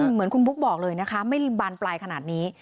เหมือนคุณบุ๊กบอกเลยนะคะไม่ได้บานปลายขนาดนี้